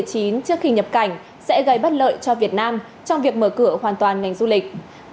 trước khi nhập cảnh sẽ gây bất lợi cho việt nam trong việc mở cửa hoàn toàn ngành du lịch